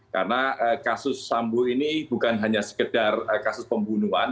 karena kasus sambu ini bukan hanya sekedar kasus pembunuhan